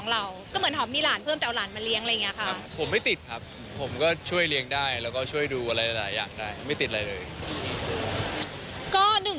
แล้วก็อีกอย่างหนึ่งก็คือร่างกายเราอ่ะคุณหมอก็บอกว่าเราโอกาสจะตั้งครรภ์ยากมากเอ่อ